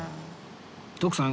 徳さん